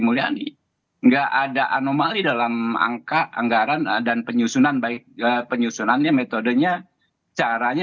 mulyani enggak ada anomali dalam angka anggaran dan penyusunan baik penyusunannya metodenya caranya